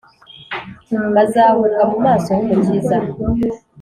bazahunga mu maso h’umukiza,